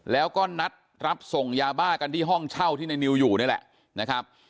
แล้วก็นัดรับส่งยาบ้ากันที่ห้องเช่าที่ในนิวอยู่นี่แหละนะครับ